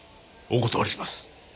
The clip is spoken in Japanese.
お断りします。